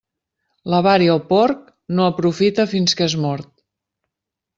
L'avar i el porc, no aprofita fins que és mort.